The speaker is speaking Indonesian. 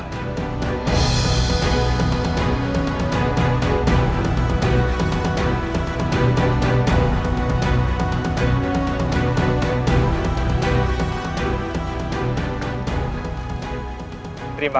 selamat dari marabah